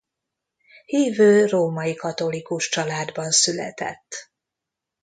Hívő római katolikus családban született.